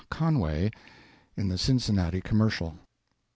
Conway in the Cincinnati Commercial.